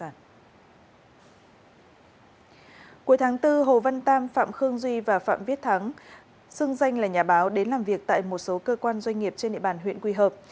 phạm phạm khương duy và phạm viết thắng xưng danh là nhà báo đến làm việc tại một số cơ quan doanh nghiệp trên địa bàn huyện quỳ hợp